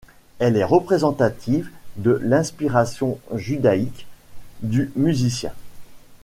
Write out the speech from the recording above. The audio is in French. Elle est représentative de l'inspiration judaïque du musicien.